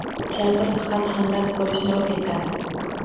Teatr faqat hamdard bo‘lishni o‘rgatadi.